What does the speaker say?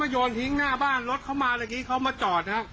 มิดี้หลบมานี้มิดี้หลบมานี้